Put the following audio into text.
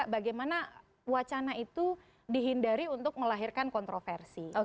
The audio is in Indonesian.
bagaimana wacana itu dihindari untuk melahirkan kontroversi